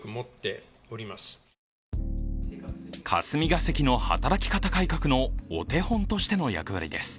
霞が関の働き方改革のお手本としての役割です。